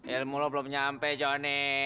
ilmu lo belum nyampe johnny